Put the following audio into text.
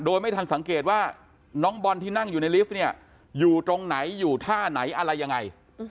โดยไม่ทันสังเกตว่าน้องบอลที่นั่งอยู่ในลิฟต์เนี่ยอยู่ตรงไหนอยู่ท่าไหนอะไรยังไง